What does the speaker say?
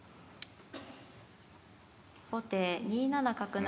後手２七角成。